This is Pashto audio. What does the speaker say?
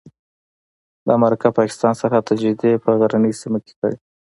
دا مرکه پاکستان سرحد ته نږدې په غرنۍ سیمه کې کړې.